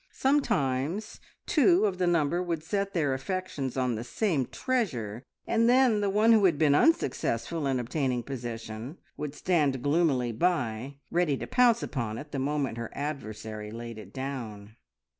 Sometimes two of the number would set their affections on the same treasure, and then the one who had been unsuccessful in obtaining possession would stand gloomily by ready to pounce upon it the moment her adversary laid it down.